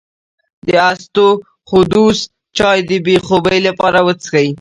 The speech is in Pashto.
د اسطوخودوس چای د بې خوبۍ لپاره وڅښئ